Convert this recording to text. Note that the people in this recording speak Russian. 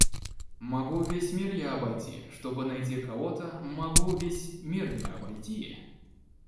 Могу весь мир я обойти, Чтобы найти кого-то Могу весь мир я обойти.